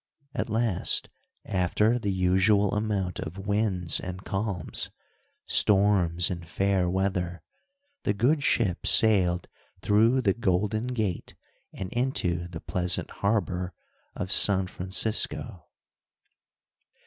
At last, after the usual amount of winds and calms, storms and fair weather, the good ship sailed through the Golden Gate, and into the pleasant harbor of San Francisco.